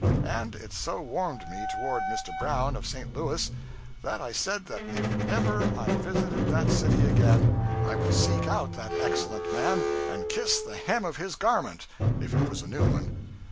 And it so warmed me toward Mr. Brown of St. Louis that I said that if ever I visited that city again, I would seek out that excellent man and kiss the hem of his garment if it was a new one.